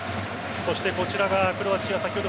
そして、こちらがクロアチア先ほど